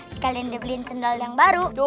sekalian dibeliin sendal yang baru